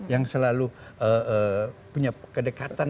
yang selalu punya kedekatan